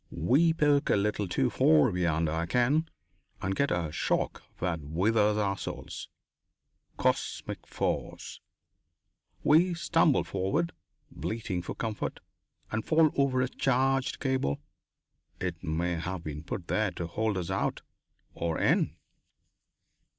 We poke a little too far beyond our ken and get a shock that withers our souls. Cosmic force! We stumble forward, bleating for comfort, and fall over a charged cable. It may have been put there to hold us out or in."